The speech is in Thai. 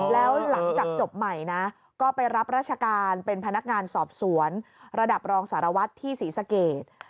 แล้วหลังจากจบใหม่นะก็ไปรับราชการเป็นพนักงานสอบสวนระดับรองสารวัตรที่ศรีสเกต